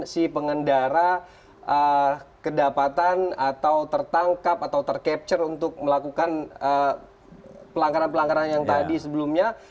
si pengendara kedapatan atau tertangkap atau tercapture untuk melakukan pelanggaran pelanggaran yang tadi sebelumnya